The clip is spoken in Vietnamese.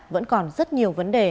vẫn còn rất nhiều vấn đề